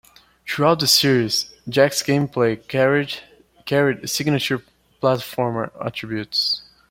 Throughout the series, Jak's gameplay carried signature platformer attributes.